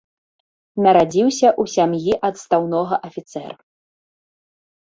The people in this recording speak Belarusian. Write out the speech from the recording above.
Нарадзіўся ў сям'і адстаўнога афіцэра.